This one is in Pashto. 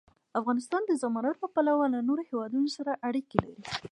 افغانستان د زمرد له پلوه له نورو هېوادونو سره اړیکې لري.